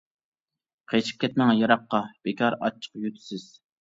قېچىپ كەتمەڭ يىراققا، بىكار ئاچچىق يۇتىسىز.